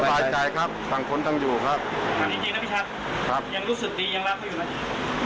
ความจริงจริงนะพี่ชัดครับยังรู้สึกดียังรักเขาอยู่นะ